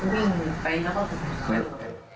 วิ่งไปแล้วก็แบบ